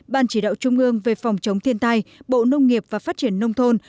ban chỉ đạo trung ương về phòng chống thiên tai bộ nông nghiệp và phát triển nông thôn